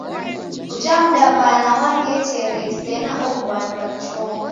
Uja mdaw'ana wang'etere sena obandwa ni chongo.